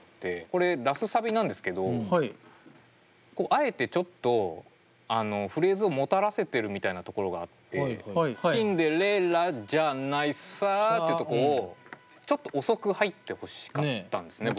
これラスサビなんですけどあえてちょっとあのフレーズをもたらせてるみたいなところがあって「シンデレラじゃないさ」っていうとこをちょっと遅く入ってほしかったんですね